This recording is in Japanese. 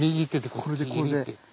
これでこれで。